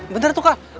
bener tuh kel